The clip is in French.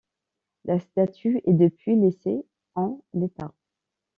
La statue est depuis laissée en l'état.